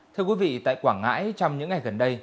thưa quý vị tại quảng ngãi trong những ngày gần đây